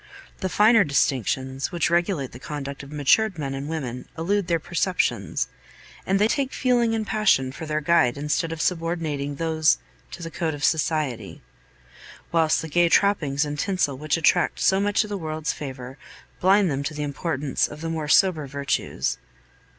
The finer distinctions, which regulate the conduct of matured men and women, elude their perceptions, and they take feeling and passion for their guide instead of subordinating those to the code of society; whilst the gay trappings and tinsel which attract so much of the world's favor blind them to the importance of the more sober virtues.